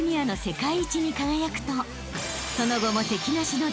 ［その後も敵なしの大活躍］